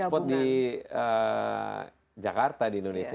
ekspor di jakarta di indonesia